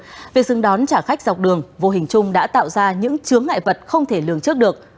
vì vậy việc dừng đón trả khách dọc đường vô hình chung đã tạo ra những chướng ngại vật không thể lường trước được